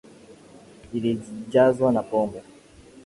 Ilijazwa na pombe